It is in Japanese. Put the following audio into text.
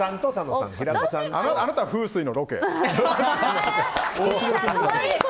あなた、風水のロケ。